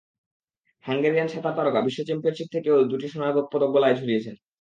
Hungarian সাঁতার তারকা বিশ্ব চ্যাম্পিয়নশিপ থেকেও দুটি সোনার পদক গলায় ঝুলিয়েছেন।